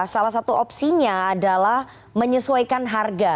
salah satu opsinya adalah menyesuaikan harga